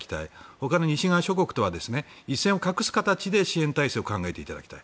ほかの西側諸国とは一線を画す形で支援体制を考えていただきたい。